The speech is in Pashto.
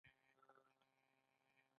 سیستماتیک عدم تشدد ته اړتیا ده.